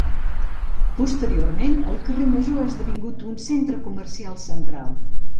Posteriorment, el carrer major ha esdevingut un centre comercial central.